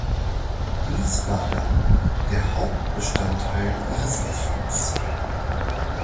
Dies war dann der Hauptbestandteil ihres Essens.